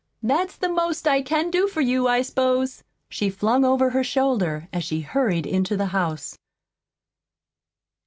That's the most I CAN do for you, I s'pose," she flung over her shoulder, as she hurried into the house.